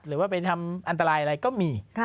หรือว่าไปทำอันตรายอะไรก็มี